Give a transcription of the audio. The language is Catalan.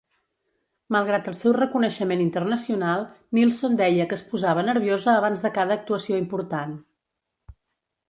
Malgrat el seu reconeixement internacional, Nilsson deia que es posava nerviosa abans de cada actuació important.